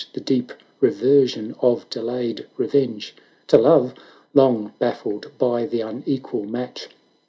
The deep reversion of delayed revenge; To Love, long baffled by the unequal match.